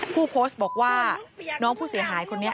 ผู้โพสต์บอกว่าน้องผู้เสียหายคนนี้